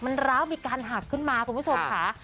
มันร้าวมีการหักขึ้นมาคุณผู้ชมค่ะ